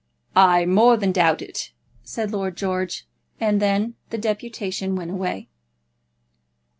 "I more than doubt it," said Lord George; and then the deputation went away.